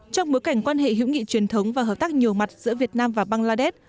trong bối cảnh quan hệ hữu nghị truyền thống và hợp tác nhiều mặt giữa việt nam và bangladesh